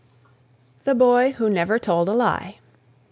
THE BOY WHO NEVER TOLD A LIE.